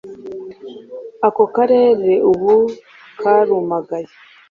Ako karere ubu karumagaye,